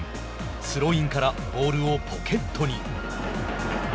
スローインからボールをポケットに。